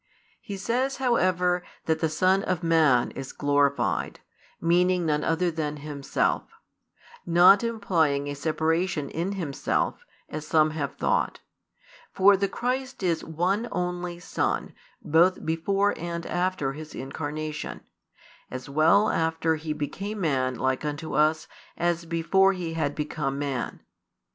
He says, however, that "the Son of Man" is glorified, meaning none other than Himself; not implying a separation in Himself, as some have thought, for the Christ is one only Son both before and after His incarnation, as well after He became man like unto us as before He had become man.